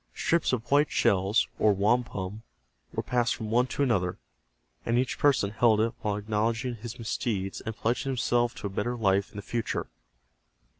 Strips of white shells, or wampum, were passed from one to another, and each person held it while acknowledging his misdeeds, and pledging himself to a better life in the future.